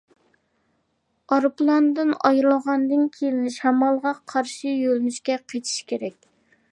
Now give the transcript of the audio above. ئايروپىلاندىن ئايرىلغاندىن كېيىن شامالغا قارشى يۆنىلىشكە قېچىش كېرەك.